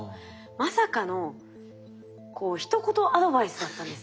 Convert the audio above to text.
まさかのひと言アドバイスだったんですね。